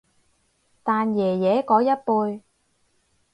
但爺爺嗰一輩